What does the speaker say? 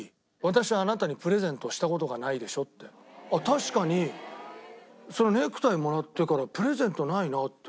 確かにそのネクタイもらってからプレゼントないなって。